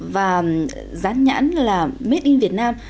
và rán nhãn là made in vietnam